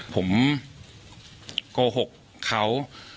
ผมโกหกเขา